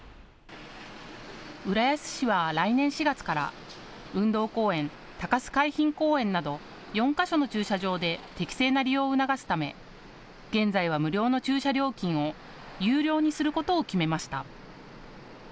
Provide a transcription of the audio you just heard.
浦安市は来年４月から運動公園、高洲海浜公園など４か所の駐車場で適正な利用を促すため現在は無料の駐車料金を有料にすることを決めました。